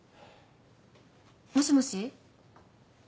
もしもし？